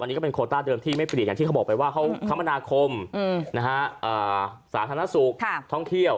อันนี้ก็เป็นโคต้าเดิมที่ไม่เปลี่ยนอย่างที่เขาบอกไปว่าเขาคมนาคมสาธารณสุขท่องเที่ยว